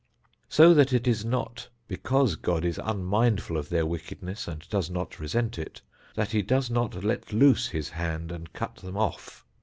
So that it is not because God is unmindful of their wickedness and does not resent it, that He does not let loose His hand and cut them off.